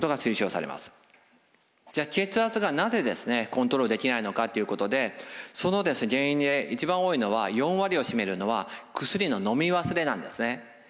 じゃあ血圧がなぜコントロールできないのかということでその原因で一番多いのは４割を占めるのは薬ののみ忘れなんですね。